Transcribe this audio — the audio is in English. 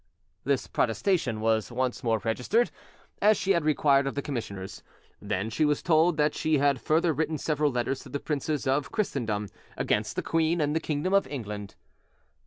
This protestation was once more registered, as she had required of the commissioners. Then she was told that she had further written several letters to the princes of Christendom, against the queen and the kingdom of England.